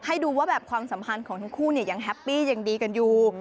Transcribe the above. ให้ดูว่าแบบความสัมพันธ์ของทั้งคู่เนี่ยยังแฮปปี้ยังดีกันอยู่